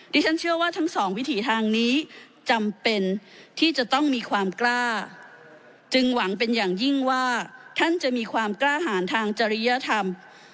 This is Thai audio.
ดิฉันเชื่อว่าทั้งสองวิถีทางนี้จำเป็นที่จะต้องมีความกล้าจึงหวังเป็นอย่างยิ่งว่าท่านจะมีความกล้าหารทางจริยธรรม